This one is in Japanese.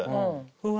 うわ。